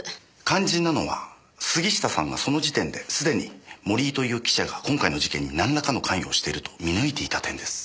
肝心なのは杉下さんがその時点で既に森井という記者が今回の事件になんらかの関与をしていると見抜いていた点です。